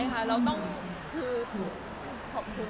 ข่าวก็โดนเยอะเราก็โดน